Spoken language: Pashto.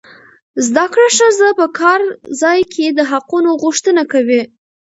زده کړه ښځه په کار ځای کې د حقوقو غوښتنه کوي.